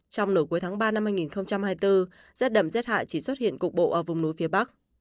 trong nửa cuối tháng ba năm hai nghìn hai mươi bốn rét đậm rét hại chỉ xuất hiện cục bộ ở vùng núi phía bắc